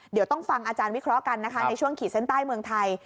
เดี๋ยวต้องฟังอาจารย์วิเคราะห์กันนะคะในช่วงขีดเส้นใต้เมืองไทย